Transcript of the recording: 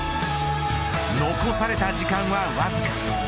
残された時間はわずか。